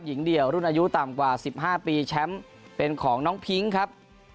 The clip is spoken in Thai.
หญิงเดี่ยวรุ่นอายุต่ำกว่า๑๕ปีแชมป์เป็นของน้องพิ้งครับ